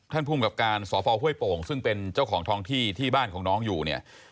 ภูมิกับการสพห้วยโป่งซึ่งเป็นเจ้าของท้องที่ที่บ้านของน้องอยู่เนี่ย